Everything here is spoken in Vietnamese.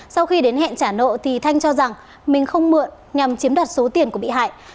sau khi đến hẹn trả nợ thì thanh cho rằng mình không mượn nhằm chiếm đoạt số tiền của bị hại